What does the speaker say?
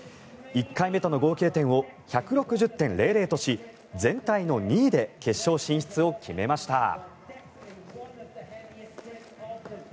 １回目との合計点を１６０．００とし全体の２位で決勝進出を決めました。